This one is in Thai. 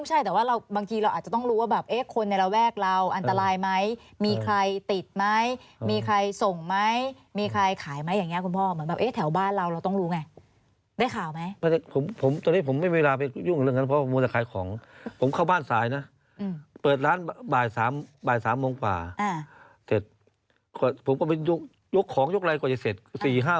อศัลย์อศัลย์อศัลย์อศัลย์อศัลย์อศัลย์อศัลย์อศัลย์อศัลย์อศัลย์อศัลย์อศัลย์อศัลย์อศัลย์อศัลย์อศัลย์อศัลย์อศัลย์อศัลย์อศัลย์อศัลย์อศัลย์อศัลย์อศัลย์อศั